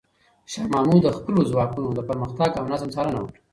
شاه محمود د خپلو ځواکونو د پرمختګ او نظم څارنه وکړه.